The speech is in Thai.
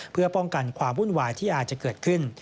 เพื่อป้องกันความวุ่นวายที่อาจจะเกิดขึ้น